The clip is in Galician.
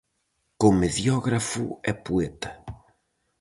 Comediógrafo e poeta.